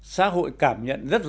xã hội cảm nhận rất rõ